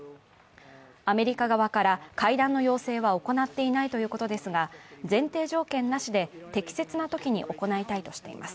アメリカ側から会談の要請は行っていないということですが前提条件なしで適切なときに行いたいとしています。